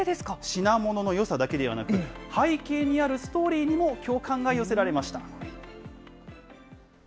品物のよさだけではなく、背景にあるストーリーにも共感が寄せられました。